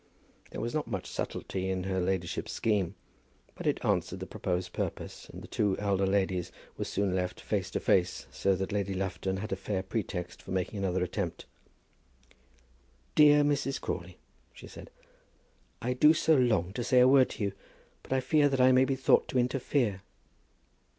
There was not much subtlety in her ladyship's scheme; but it answered the proposed purpose, and the two elder ladies were soon left face to face, so that Lady Lufton had a fair pretext for making another attempt. "Dear Mrs. Crawley," she said, "I do so long to say a word to you, but I fear that I may be thought to interfere."